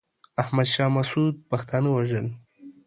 احمد شاه مسعود پښتانه وژل.